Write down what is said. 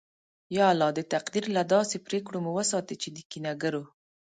یا الله! د تقدیر له داسې پرېکړو مو وساتې چې د کینه گرو